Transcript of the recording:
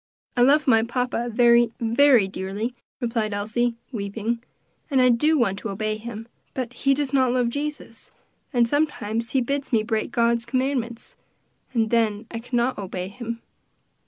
"I love my papa very, very dearly," replied Elsie, weeping, "and I do want to obey him; but he does not love Jesus, and sometimes he bids me break God's commandments, and then I cannot obey him."